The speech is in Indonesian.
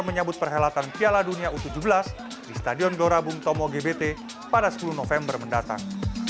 menyambut perhelatan piala dunia u tujuh belas di stadion gelora bung tomo gbt pada sepuluh november mendatang